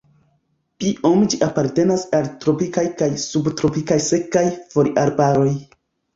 Biome ĝi apartenas al tropikaj kaj subtropikaj sekaj foliarbaroj.